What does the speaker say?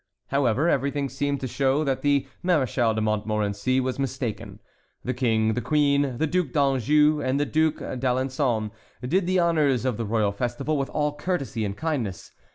However, everything seemed to show that the Maréchal de Montmorency was mistaken. The King, the Queen, the Duc d'Anjou, and the Duc d'Alençon did the honors of the royal festival with all courtesy and kindness.